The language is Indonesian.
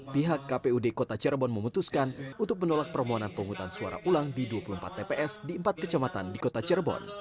pihak kpud kota cirebon memutuskan untuk menolak permohonan penghutang suara ulang di dua puluh empat tps di empat kecamatan di kota cirebon